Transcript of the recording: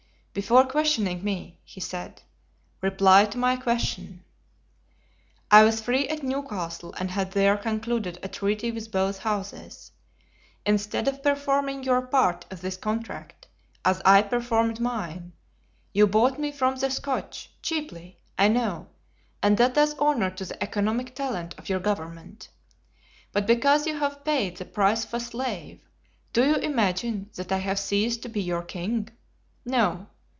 "Before questioning me," he said, "reply to my question. I was free at Newcastle and had there concluded a treaty with both houses. Instead of performing your part of this contract, as I performed mine, you bought me from the Scotch, cheaply, I know, and that does honor to the economic talent of your government. But because you have paid the price of a slave, do you imagine that I have ceased to be your king? No.